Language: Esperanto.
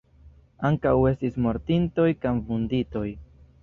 Ankaŭ estis mortintoj kaj vunditoj.